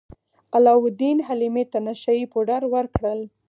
علاوالدین حلیمې ته نشه يي پوډر ورکړل.